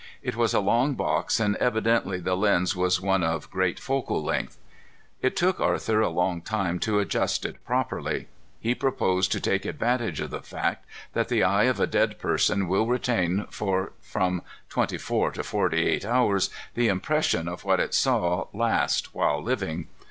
It was a long box, and evidently the lens was one of great focal length. It took Arthur a long time to adjust it properly. He proposed to take advantage of the fact that the eye of a dead person will retain for from twenty four to forty eight hours the impression of what it saw last while living.